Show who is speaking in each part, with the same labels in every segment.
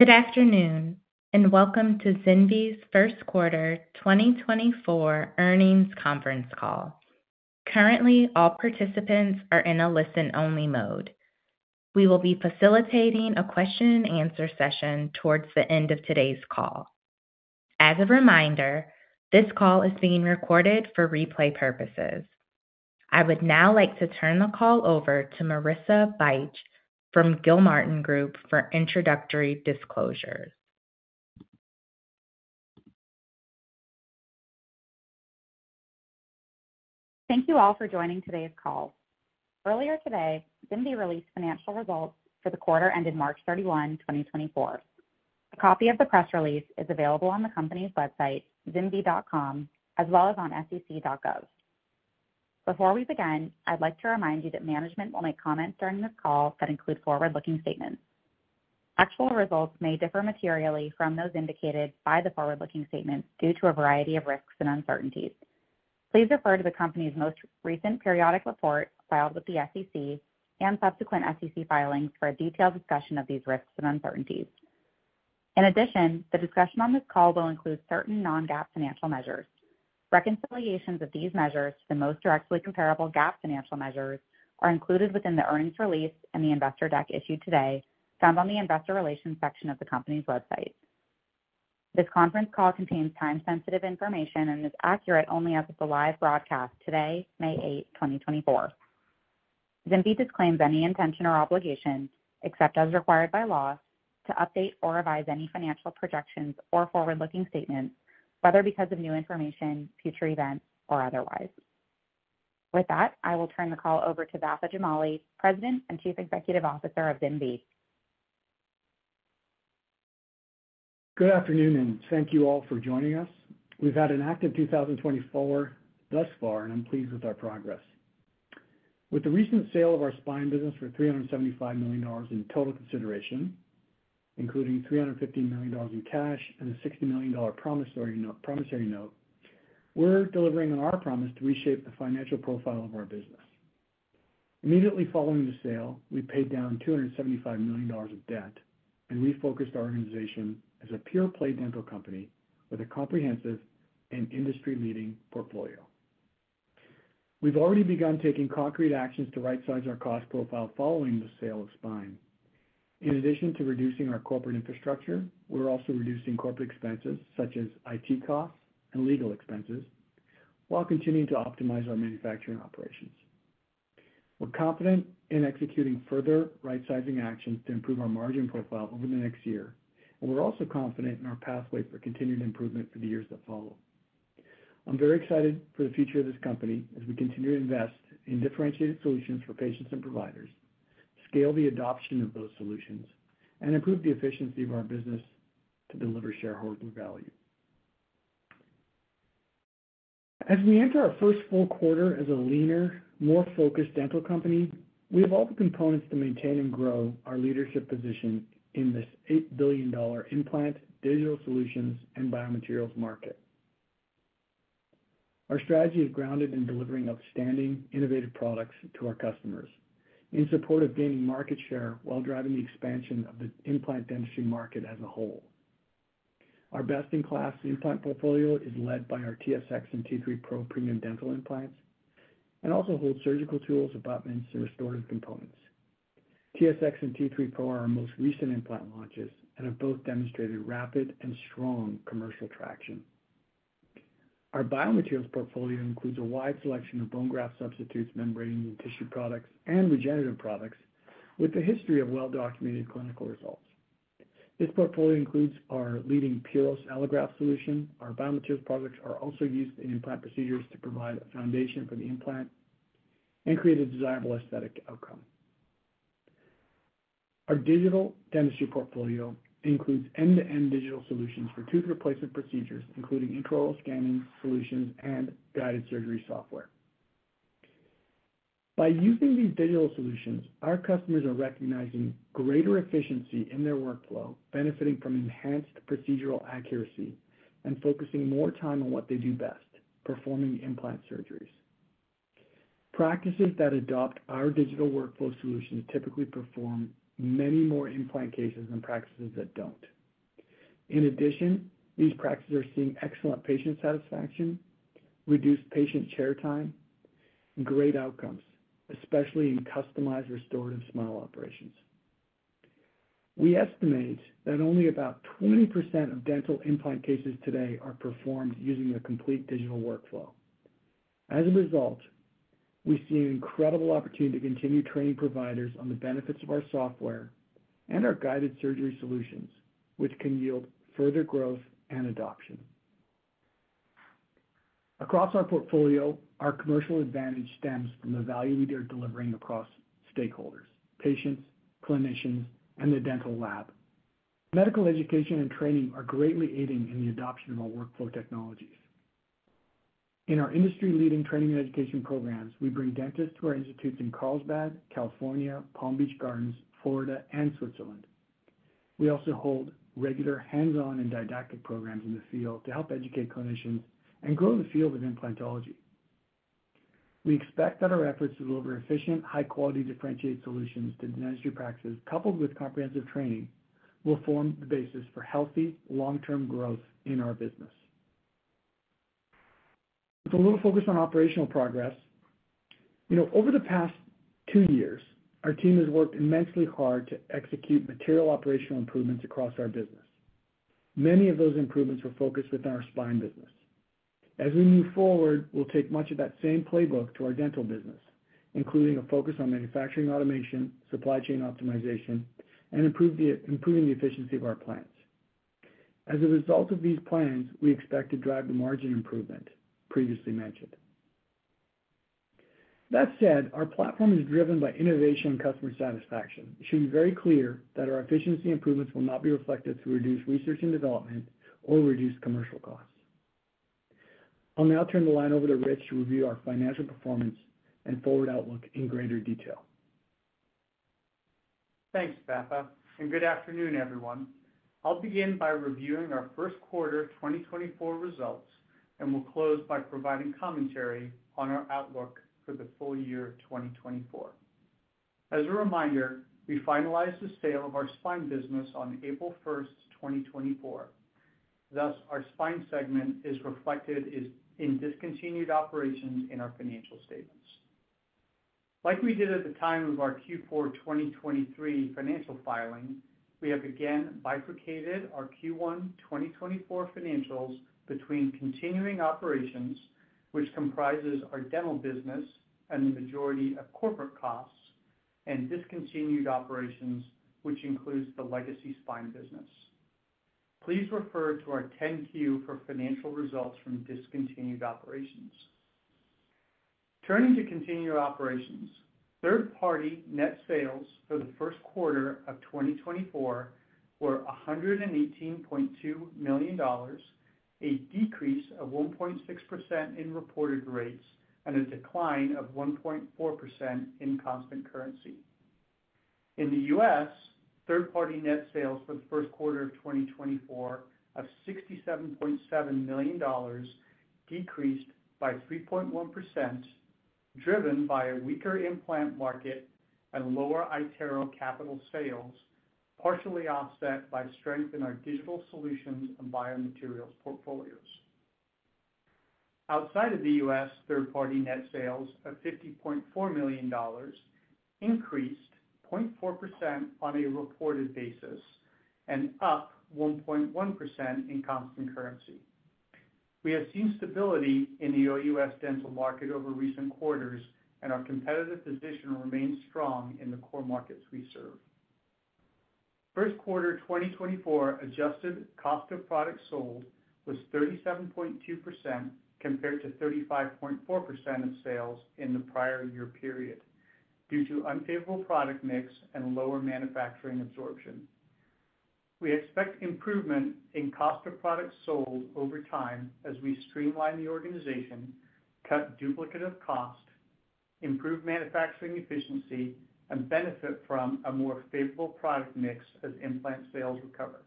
Speaker 1: Good afternoon, and welcome to ZimVie's's 1Q 2024 earnings conference call. Currently, all participants are in a listen-only mode. We will be facilitating a question-and-answer session towards the end of today's call. As a reminder, this call is being recorded for replay purposes. I would now like to turn the call over to Marissa Bych from Gilmartin Group for introductory disclosures.
Speaker 2: Thank you all for joining today's call. Earlier today, ZimVie released financial results for the quarter ended March 31, 2024. A copy of the press release is available on the company's website, zimvie.com, as well as on sec.gov. Before we begin, I'd like to remind you that management will make comments during this call that include forward-looking statements. Actual results may differ materially from those indicated by the forward-looking statements due to a variety of risks and uncertainties. Please refer to the company's most recent periodic report filed with the SEC and subsequent SEC filings for a detailed discussion of these risks and uncertainties. In addition, the discussion on this call will include certain non-GAAP financial measures. Reconciliations of these measures to the most directly comparable GAAP financial measures are included within the earnings release and the investor deck issued today, found on the investor relations section of the company's website. This conference call contains time-sensitive information and is accurate only as of the live broadcast today, May eighth, 2024. ZimVie disclaims any intention or obligation, except as required by law, to update or revise any financial projections or forward-looking statements, whether because of new information, future events, or otherwise. With that, I will turn the call over to Vafa Jamali, President and Chief Executive Officer of ZimVie.
Speaker 3: Good afternoon, and thank you all for joining us. We've had an active 2024 thus far, and I'm pleased with our progress. With the recent sale of our spine business for $375 million in total consideration, including $350 million in cash and a $60 million promissory note, we're delivering on our promise to reshape the financial profile of our business. Immediately following the sale, we paid down $275 million of debt and refocused our organization as a pure-play dental company with a comprehensive and industry-leading portfolio. We've already begun taking concrete actions to right size our cost profile following the sale of spine. In addition to reducing our corporate infrastructure, we're also reducing corporate expenses, such as IT costs and legal expenses, while continuing to optimize our manufacturing operations. We're confident in executing further rightsizing actions to improve our margin profile over the next year, and we're also confident in our pathway for continued improvement for the years that follow. I'm very excited for the future of this company as we continue to invest in differentiated solutions for patients and providers, scale the adoption of those solutions, and improve the efficiency of our business to deliver shareholder value. As we enter our first full quarter as a leaner, more focused dental company, we have all the components to maintain and grow our leadership position in this $8 billion implant, digital solutions, and biomaterials market. Our strategy is grounded in delivering outstanding, innovative products to our customers in support of gaining market share while driving the expansion of the implant dentistry market as a whole. Our best-in-class implant portfolio is led by our TSX and T3 PRO premium dental implants and also holds surgical tools, abutments, and restorative components. TSX and T3 PRO are our most recent implant launches and have both demonstrated rapid and strong commercial traction. Our biomaterials portfolio includes a wide selection of bone graft substitutes, membranes, and tissue products and regenerative products, with a history of well-documented clinical results. This portfolio includes our leading Puros allograft solution. Our biomaterials products are also used in implant procedures to provide a foundation for the implant and create a desirable aesthetic outcome. Our digital dentistry portfolio includes end-to-end digital solutions for tooth replacement procedures, including intraoral scanning solutions and guided surgery software. By using these digital solutions, our customers are recognizing greater efficiency in their workflow, benefiting from enhanced procedural accuracy and focusing more time on what they do best, performing implant surgeries. Practices that adopt our digital workflow solution typically perform many more implant cases than practices that don't. In addition, these practices are seeing excellent patient satisfaction, reduced patient chair time, and great outcomes, especially in customized restorative smile operations. We estimate that only about 20% of dental implant cases today are performed using a complete digital workflow. As a result, we see an incredible opportunity to continue training providers on the benefits of our software and our guided surgery solutions, which can yield further growth and adoption. Across our portfolio, our commercial advantage stems from the value we are delivering across stakeholders, patients, clinicians, and the dental lab. Medical education and training are greatly aiding in the adoption of our workflow technologies. In our industry-leading training and education programs, we bring dentists to our institutes in Carlsbad, California, Palm Beach Gardens, Florida, and Switzerland. We also hold regular hands-on and didactic programs in the field to help educate clinicians and grow the field of implantology. We expect that our efforts to deliver efficient, high-quality, differentiated solutions to dentistry practices, coupled with comprehensive training, will form the basis for healthy, long-term growth in our business. With a little focus on operational progress, you know, over the past two years, our team has worked immensely hard to execute material operational improvements across our business. Many of those improvements were focused within our spine business. As we move forward, we'll take much of that same playbook to our dental business, including a focus on manufacturing automation, supply chain optimization, and improving the efficiency of our plants. As a result of these plans, we expect to drive the margin improvement previously mentioned. That said, our platform is driven by innovation and customer satisfaction. It should be very clear that our efficiency improvements will not be reflected through reduced research and development or reduced commercial costs. I'll now turn the line over to Rich to review our financial performance and forward outlook in greater detail.
Speaker 4: Thanks, Vafa, and good afternoon, everyone. I'll begin by reviewing our1Q 2024 results, and we'll close by providing commentary on our outlook for the full year 2024. As a reminder, we finalized the sale of our spine business on April 1, 2024. Thus, our spine segment is reflected in discontinued operations in our financial statements. Like we did at the time of our Q4 2023 financial filing, we have again bifurcated our Q1 2024 financials between continuing operations, which comprises our dental business and the majority of corporate costs, and discontinued operations, which includes the legacy spine business. Please refer to our 10-Q for financial results from discontinued operations. Turning to continuing operations, third-party net sales for the 1Q of 2024 were $118.2 million, a decrease of 1.6% in reported rates and a decline of 1.4% in constant currency. In the U.S., third-party net sales for the 1Q of 2024 of $67.7 million decreased by 3.1%, driven by a weaker implant market and lower iTero capital sales, partially offset by strength in our digital solutions and biomaterials portfolios. Outside of the U.S., third-party net sales of $50.4 million increased 0.4% on a reported basis and up 1.1% in constant currency. We have seen stability in the OUS dental market over recent quarters, and our competitive position remains strong in the core markets we serve. First quarter 2024 adjusted cost of products sold was 37.2%, compared to 35.4% of sales in the prior year period, due to unfavorable product mix and lower manufacturing absorption. We expect improvement in cost of products sold over time as we streamline the organization, cut duplicative costs, improve manufacturing efficiency, and benefit from a more favorable product mix as implant sales recover.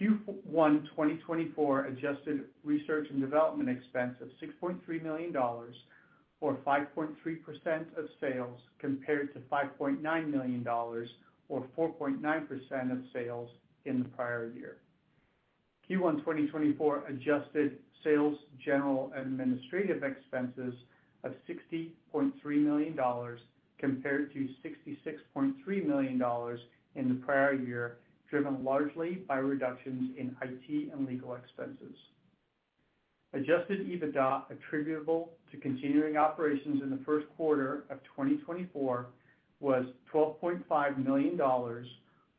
Speaker 4: Q1 2024 adjusted research and development expense of $6.3 million, or 5.3% of sales, compared to $5.9 million, or 4.9% of sales in the prior year. Q1 2024 adjusted selling, general and administrative expenses of $60.3 million compared to $66.3 million in the prior year, driven largely by reductions in IT and legal expenses. Adjusted EBITDA attributable to continuing operations in the1Q of 2024 was $12.5 million,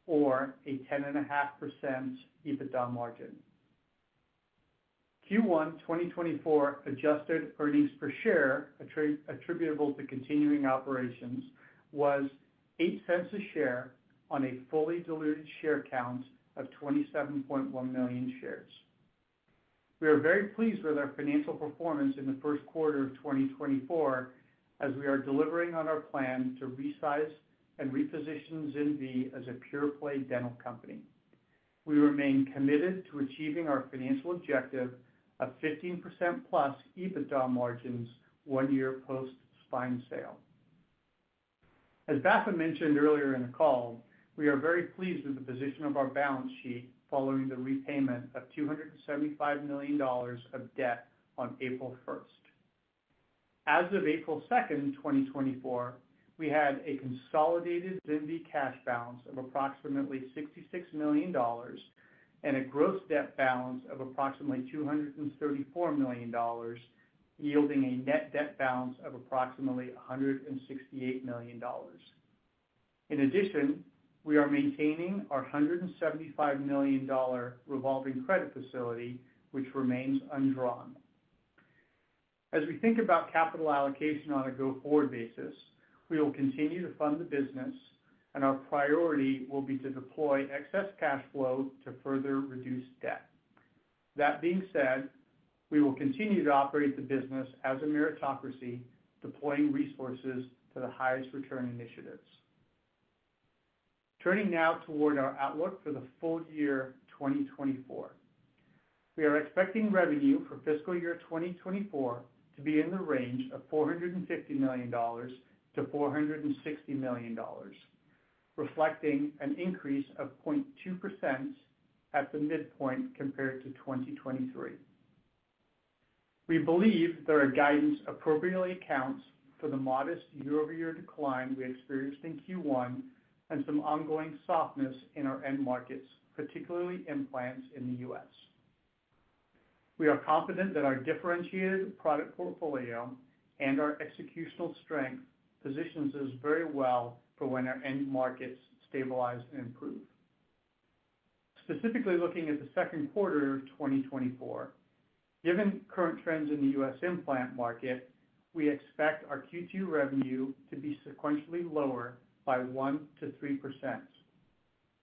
Speaker 4: or a 10.5% EBITDA margin. Q1 2024 adjusted earnings per share, attributable to continuing operations, was $0.08 per share on a fully diluted share count of 27.1 million shares. We are very pleased with our financial performance in the1Q of 2024, as we are delivering on our plan to resize and reposition ZimVie as a pure-play dental company. We remain committed to achieving our financial objective of 15%+ EBITDA margins one year post spine sale. As Vafa mentioned earlier in the call, we are very pleased with the position of our balance sheet following the repayment of $275 million of debt on April 1st. As of April 2, 2024, we had a consolidated ZimVie cash balance of approximately $66 million and a gross debt balance of approximately $234 million, yielding a net debt balance of approximately $168 million. In addition, we are maintaining our $175 million revolving credit facility, which remains undrawn. As we think about capital allocation on a go-forward basis, we will continue to fund the business, and our priority will be to deploy excess cash flow to further reduce debt. That being said, we will continue to operate the business as a meritocracy, deploying resources to the highest return initiatives.... Turning now toward our outlook for the full year 2024. We are expecting revenue for fiscal year 2024 to be in the range of $450 million-$460 million, reflecting an increase of 0.2% at the midpoint compared to 2023. We believe that our guidance appropriately accounts for the modest year-over-year decline we experienced in Q1 and some ongoing softness in our end markets, particularly implants in the U.S. We are confident that our differentiated product portfolio and our executional strength positions us very well for when our end markets stabilize and improve. Specifically looking at the second quarter of 2024, given current trends in the U.S. implant market, we expect our Q2 revenue to be sequentially lower by 1%-3%,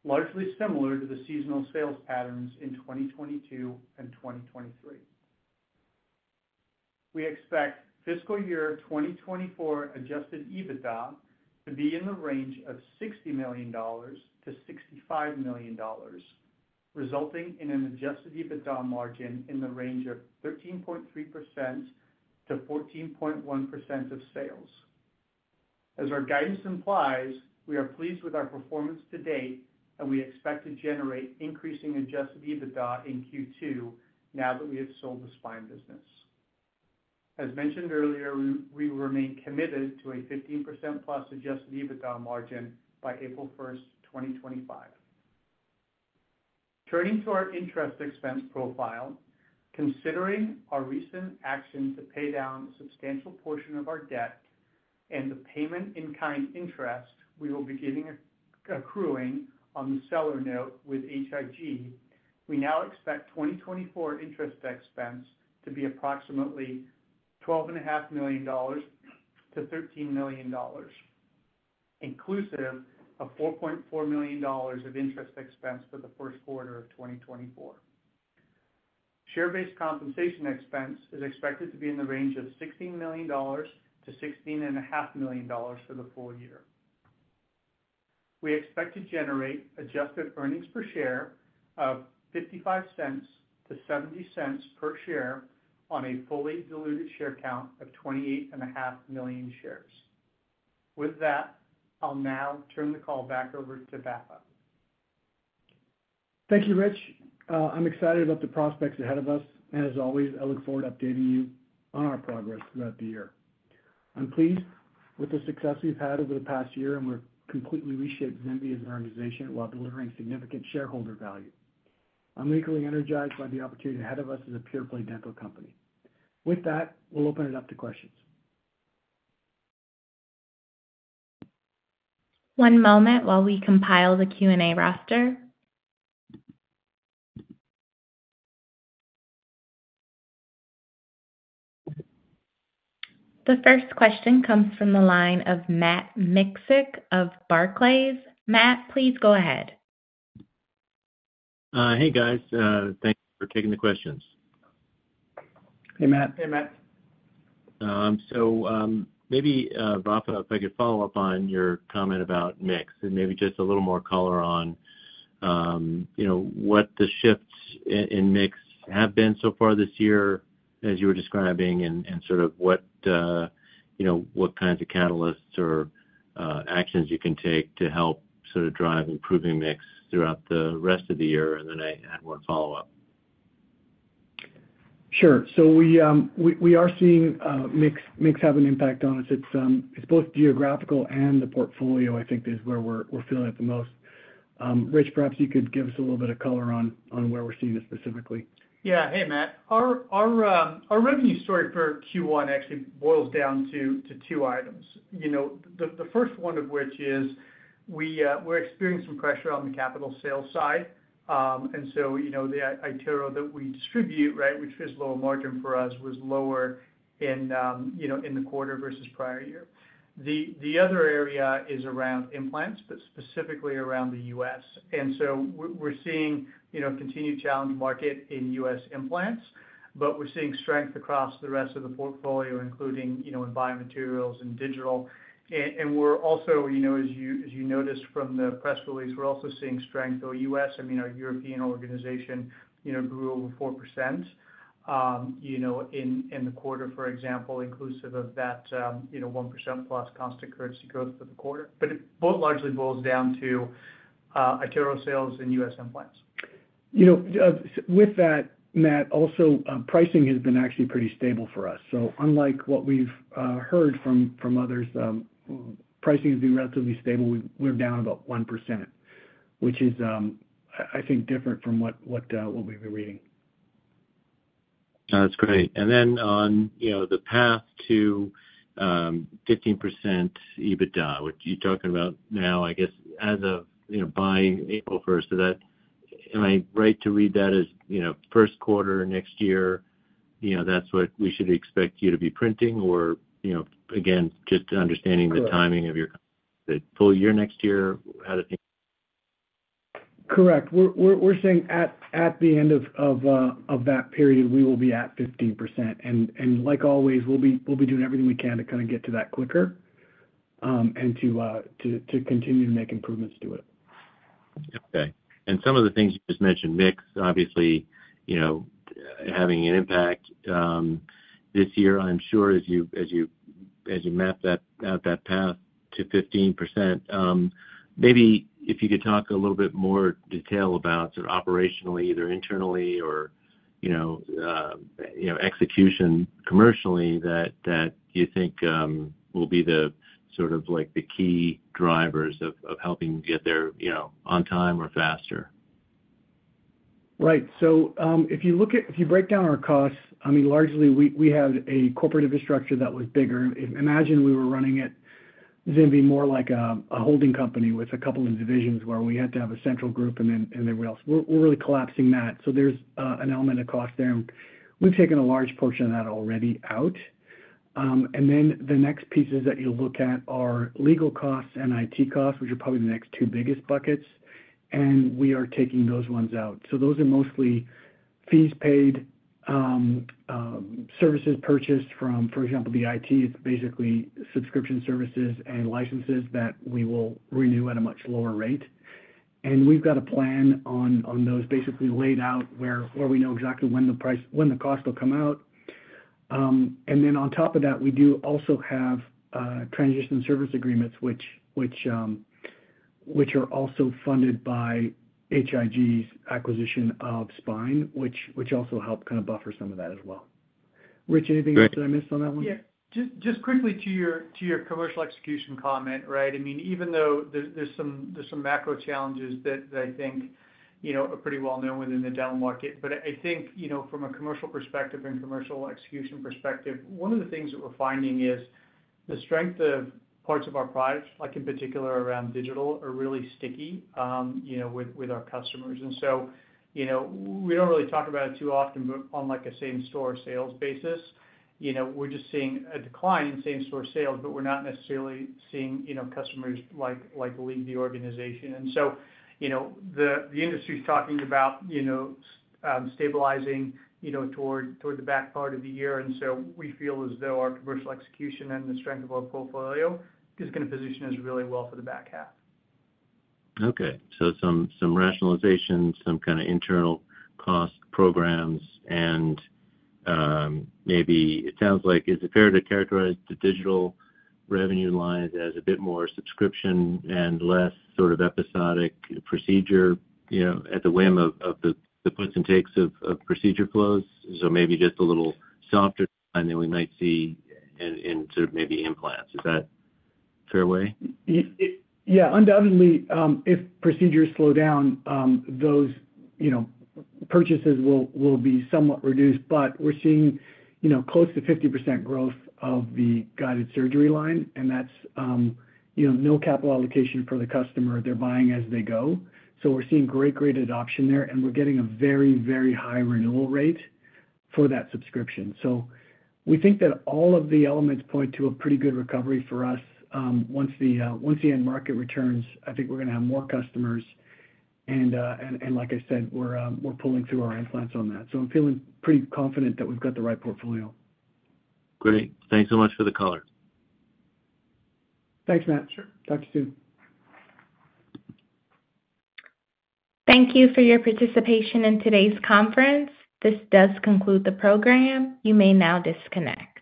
Speaker 4: largely similar to the seasonal sales patterns in 2022 and 2023. We expect fiscal year 2024 adjusted EBITDA to be in the range of $60 million-$65 million, resulting in an adjusted EBITDA margin in the range of 13.3%-14.1% of sales. As our guidance implies, we are pleased with our performance to date, and we expect to generate increasing adjusted EBITDA in Q2 now that we have sold the spine business. As mentioned earlier, we remain committed to a 15%+ adjusted EBITDA margin by April 1, 2025. Turning to our interest expense profile, considering our recent action to pay down a substantial portion of our debt and the payment in kind interest, we will be getting accruing on the seller note with H.I.G. We now expect 2024 interest expense to be approximately $12.5 million-$13 million, inclusive of $4.4 million of interest expense for the1Q of 2024. Share-based compensation expense is expected to be in the range of $16 million-$16.5 million for the full year. We expect to generate adjusted earnings per share of $0.55-$0.70 per share on a fully diluted share count of 28.5 million shares. With that, I'll now turn the call back over to Vafa.
Speaker 3: Thank you, Rich. I'm excited about the prospects ahead of us, and as always, I look forward to updating you on our progress throughout the year. I'm pleased with the success we've had over the past year, and we're completely reshaped ZimVie as an organization while delivering significant shareholder value. I'm equally energized by the opportunity ahead of us as a pure-play dental company. With that, we'll open it up to questions.
Speaker 1: One moment while we compile the Q&A roster. The first question comes from the line of Matt Miksic of Barclays. Matt, please go ahead.
Speaker 5: Hey, guys, thank you for taking the questions.
Speaker 3: Hey, Matt.
Speaker 4: Hey, Matt.
Speaker 5: So, maybe, Vafa, if I could follow up on your comment about mix and maybe just a little more color on, you know, what the shifts in mix have been so far this year, as you were describing, and sort of what, you know, what kinds of catalysts or actions you can take to help sort of drive improving mix throughout the rest of the year, and then I had one follow-up.
Speaker 3: Sure. So we are seeing mix have an impact on us. It's both geographical and the portfolio, I think, is where we're feeling it the most. Rich, perhaps you could give us a little bit of color on where we're seeing this specifically.
Speaker 4: Yeah. Hey, Matt. Our revenue story for Q1 actually boils down to two items. You know, the first one of which is we're experiencing some pressure on the capital sales side. And so, you know, the iTero that we distribute, right, which is lower margin for us, was lower in the quarter versus prior year. The other area is around implants, but specifically around the U.S. And so we're seeing, you know, continued challenging market in U.S. implants, but we're seeing strength across the rest of the portfolio, including, you know, in biomaterials and digital. And we're also, you know, as you, as you noticed from the press release, we're also seeing strength in U.S., I mean, our European organization, you know, grew over 4%, you know, in, in the quarter, for example, inclusive of that, you know, 1% plus constant currency growth for the quarter. But it largely boils down to iTero sales and U.S. implants.
Speaker 3: You know, with that, Matt, also, pricing has been actually pretty stable for us. So unlike what we've heard from, from others, pricing has been relatively stable. We're down about 1%, which is, I, I think, different from what, what, what we've been reading.
Speaker 5: That's great. And then on, you know, the path to 15% EBITDA, which you're talking about now, I guess, as of, you know, by April first. So that, am I right to read that as, you know,1Q next year, you know, that's what we should expect you to be printing? Or, you know, again, just understanding the timing of your-
Speaker 4: Correct.
Speaker 5: The full year next year, how to think?...
Speaker 3: Correct. We're saying at the end of that period, we will be at 15%. And like always, we'll be doing everything we can to kind of get to that quicker, and to continue to make improvements to it.
Speaker 5: Okay. Some of the things you just mentioned, mix, obviously, you know, having an impact this year, I'm sure as you map that out, that path to 15%, maybe if you could talk a little bit more detail about sort of operationally, either internally or, you know, execution commercially, that you think will be the sort of like the key drivers of helping get there, you know, on time or faster?
Speaker 3: Right. So, if you look at if you break down our costs, I mean, largely, we had a corporate infrastructure that was bigger. Imagine we were running it, this is going to be more like a holding company with a couple of divisions, where we had to have a central group and then everybody else. We're really collapsing that. So there's an element of cost there, and we've taken a large portion of that already out. And then the next pieces that you look at are legal costs and IT costs, which are probably the next two biggest buckets, and we are taking those ones out. So those are mostly fees paid, services purchased from, for example, the IT, it's basically subscription services and licenses that we will renew at a much lower rate. And we've got a plan on those basically laid out where we know exactly when the price- when the cost will come out. And then on top of that, we do also have transition service agreements, which are also funded by H.I.G.'s acquisition of Spine, which also help kind of buffer some of that as well. Rich, anything else that I missed on that one?
Speaker 4: Yeah. Just quickly to your commercial execution comment, right? I mean, even though there's some macro challenges that I think, you know, are pretty well known within the down market. But I think, you know, from a commercial perspective and commercial execution perspective, one of the things that we're finding is the strength of parts of our products, like in particular around digital, are really sticky, you know, with our customers. And so, you know, we don't really talk about it too often, but on like a same-store sales basis, you know, we're just seeing a decline in same-store sales, but we're not necessarily seeing, you know, customers like leave the organization. And so, you know, the industry's talking about, you know, stabilizing, you know, toward the back part of the year. And so we feel as though our commercial execution and the strength of our portfolio is gonna position us really well for the back half.
Speaker 5: Okay, so some, some rationalization, some kind of internal cost programs, and, maybe it sounds like, is it fair to characterize the digital revenue line as a bit more subscription and less sort of episodic procedure, you know, at the whim of, of the, the puts and takes of, of procedure flows? So maybe just a little softer than we might see in, in sort of maybe implants. Is that fair way?
Speaker 3: Yeah, undoubtedly, if procedures slow down, those, you know, purchases will be somewhat reduced. But we're seeing, you know, close to 50% growth of the guided surgery line, and that's, you know, no capital allocation for the customer. They're buying as they go. So we're seeing great, great adoption there, and we're getting a very, very high renewal rate for that subscription. So we think that all of the elements point to a pretty good recovery for us. Once the end market returns, I think we're gonna have more customers, and like I said, we're pulling through our implants on that. So I'm feeling pretty confident that we've got the right portfolio.
Speaker 5: Great. Thanks so much for the color.
Speaker 3: Thanks, Matt.
Speaker 4: Sure.
Speaker 3: Talk to you soon.
Speaker 1: Thank you for your participation in today's conference. This does conclude the program. You may now disconnect.